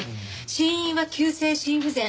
死因は急性心不全。